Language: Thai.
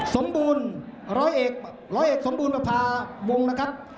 สมบูรณ์ร้อยเอกสมบูรณ์ประภาวงศ์นะครับ